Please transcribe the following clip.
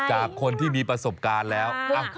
จากคนที่มีประสบการณ์แล้ว